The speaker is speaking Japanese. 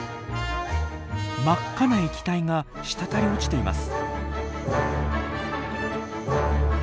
真っ赤な液体が滴り落ちています。